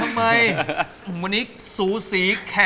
กรุงเทพหมดเลยครับ